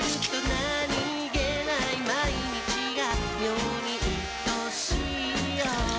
何気ない毎日が妙にいとしいよ